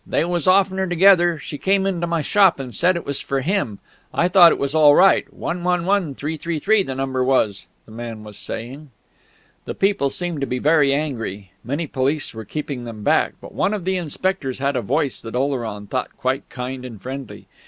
they was often together ... she came into my shop and said it was for him ... I thought it was all right ... 111333 the number was," the man was saying. The people seemed to be very angry; many police were keeping them back; but one of the inspectors had a voice that Oleron thought quite kind and friendly.